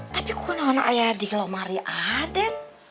tapi kena anak anaknya di lomari adem